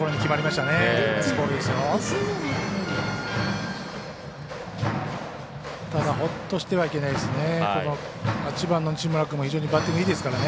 ただ、ほっとしてはいけないですね。